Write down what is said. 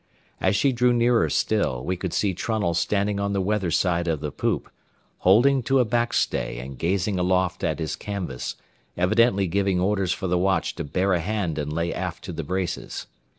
As she drew nearer still, we could see Trunnell standing on the weather side of the poop, holding to a backstay and gazing aloft at his canvas, evidently giving orders for the watch to bear a hand and lay aft to the braces.